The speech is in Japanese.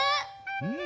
うん。